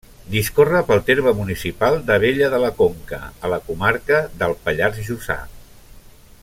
Discorre pel terme municipal d'Abella de la Conca, a la comarca del Pallars Jussà.